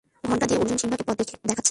ঘন্টা দিয়ে অর্জুন সিম্বাকে পথ দেখাচ্ছে!